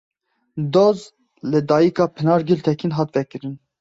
Doz li dayika Pinar Gultekin hat vekirin.